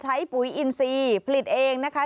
ปุ๋ยอินซีผลิตเองนะคะ